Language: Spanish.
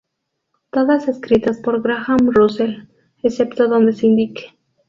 Todas escritas por Graham Russell, excepto donde se indique.